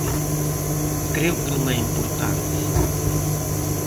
Creo que non é importante.